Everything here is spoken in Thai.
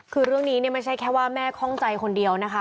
คือเรื่องนี้เนี่ยไม่ใช่แค่ว่าแม่คล่องใจคนเดียวนะคะ